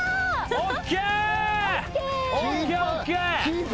ＯＫ。